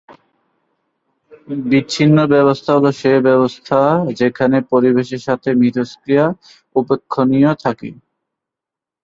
বিচ্ছিন্ন ব্যবস্থা হল সেই ব্যবস্থা যেখানে পরিবেশের সাথে এর মিথস্ক্রিয়া উপেক্ষণীয় থাকে।